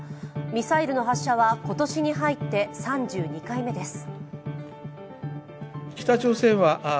ミサイルの発射は今年に入って３２回目です。